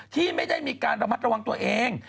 ที่ไม่ได้มีการระมัดระวังตัวเอง